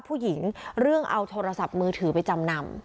ผู้หญิงเรื่องเอาโทรศัพท์มือถือไปจำนัม